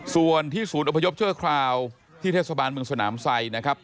ส่วนที่ศูนย์อพยพชั่วคราวที่เทศบาลเมืองสนามไซดนะครับ